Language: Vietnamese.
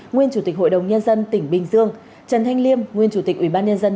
nguyên chủ tịch hội đồng nhân dân tỉnh bình dương trần thanh liêm nguyên chủ tịch ủy ban nhân dân